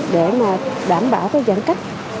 để mà đảm bảo cái giãn cách